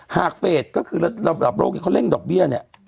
หากเฟศก็คือระบบโรคอย่างเขาเร่งดอกเบี้ยเนี่ย